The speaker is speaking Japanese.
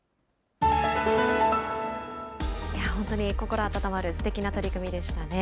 本当に心温まるすてきな取り組みでしたね。